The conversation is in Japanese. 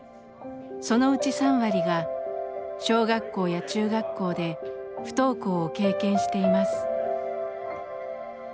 そのうち３割が小学校や中学校で不登校を経験しています。